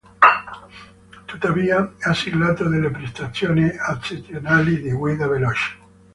Tuttavia ha siglato delle prestazioni eccezionali di guida veloce.